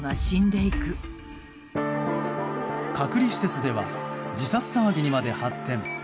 隔離施設では自殺騒ぎにまで発展。